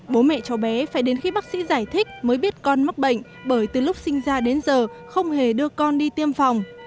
bố mẹ cho bé phải đến khi bác sĩ giải thích mới biết con mắc bệnh bởi từ lúc sinh ra đến giờ không hề đưa con đi tiêm phòng